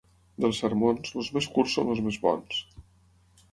Dels sermons, els més curts són els més bons.